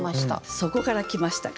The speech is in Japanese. そこから来ましたか。